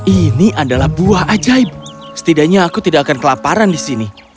ini adalah buah ajaib setidaknya aku tidak akan kelaparan di sini